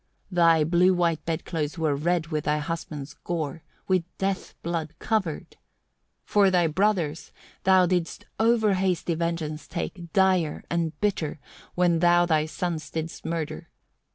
Thy blue white bed clothes were red with thy husband's gore, with death blood covered. 5. "For thy brothers thou didst o'er hasty vengeance take, dire and bitter, when thou thy sons didst murder.